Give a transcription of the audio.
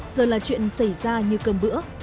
giờ là chuyện xảy ra như cơm bữa